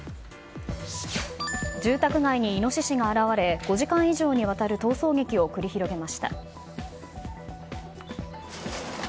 住宅街にイノシシが現れ５時間以上にわたる逃走劇を繰り広げました。